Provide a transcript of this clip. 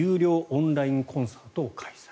オンラインコンサートを開催。